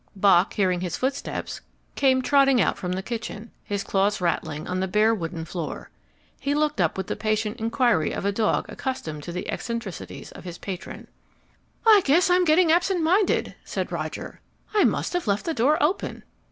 Bock, hearing his footsteps, came trotting out from the kitchen, his claws rattling on the bare wooden floor. He looked up with the patient inquiry of a dog accustomed to the eccentricities of his patron. "I guess I'm getting absent minded," said Roger. "I must have left the door open."